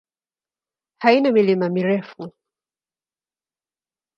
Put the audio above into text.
Haina milima mirefu.